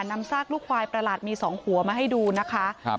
ซากลูกควายประหลาดมีสองหัวมาให้ดูนะคะครับ